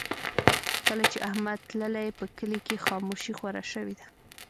کله چې احمد تللی، په کلي کې خاموشي خوره شوې ده.